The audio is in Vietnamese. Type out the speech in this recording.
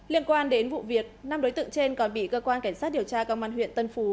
liên quan đến vụ việc năm đối tượng trên còn bị cơ quan cảnh sát điều tra công an huyện tân phú